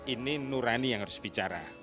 ini nurani yang harus bicara